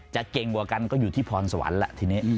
เก่งกว่ากันก็อยู่ที่พรสวรรค์แหละทีนี้